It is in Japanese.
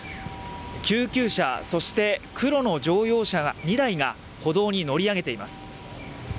救急車、そして黒の乗用車２台が歩道に乗り上げています。